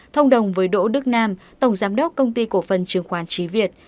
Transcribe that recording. thông đồng với đỗ đức nam tổng giám đốc công ty cổ phần chứng khoán trí việt